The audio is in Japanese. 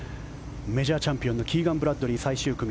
メジャーチャンピオンのキーガン・ブラッドリー最終組。